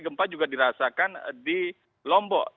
gempa juga dirasakan di lombok